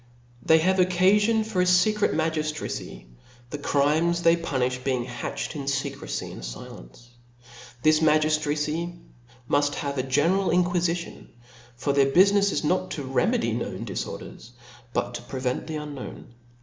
They have occafK)n for a fecret ma^racy, the crimes they punifh being hatched in fccrecy and nience. This magiftracy muft have a general inquiHtion, for their bufinefs is not to remedy known diforders, but to prevent the unknown.